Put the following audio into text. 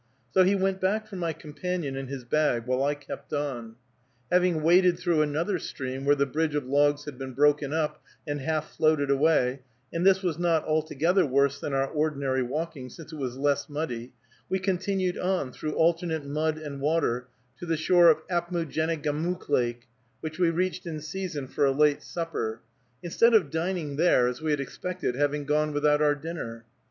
So he went back for my companion and his bag, while I kept on. Having waded through another stream, where the bridge of logs had been broken up and half floated away, and this was not altogether worse than our ordinary walking, since it was less muddy, we continued on, through alternate mud and water, to the shore of Apmoojenegamook Lake, which we reached in season for a late supper, instead of dining there, as we had expected, having gone without our dinner.